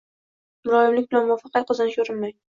muloyimlik bilan muvaffaqiyat qozonishga urinmang